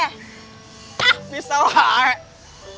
ah bisa lah